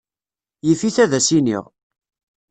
Yif-it ad as-iniɣ.